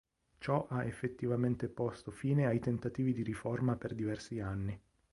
Ciò ha effettivamente posto fine ai tentativi di riforma per diversi anni.